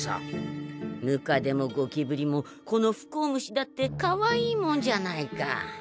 ムカデもゴキブリもこの不幸虫だってかわいいもんじゃないか。